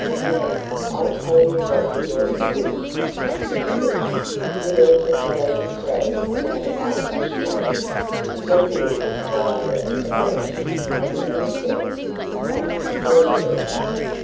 "Now, I tell you what we ought to do," Katherine said. "We ought to follow this road about a mile, maybe, to get a view of the lay of the land and then return to this spot, or near it.